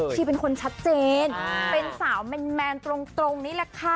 ที่เป็นคนชัดเจนเป็นสาวแมนตรงนี่แหละค่ะ